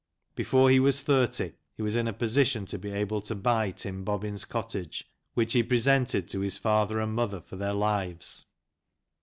Before he was thirty he was in a position to be able to buy Tim Bobbin's cottage, which he presented to his father and mother for their lives.